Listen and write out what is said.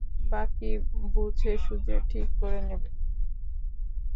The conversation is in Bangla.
বাকী বুঝে-সুঝে ঠিক করে নেবে।